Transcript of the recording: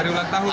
hari ulang tahun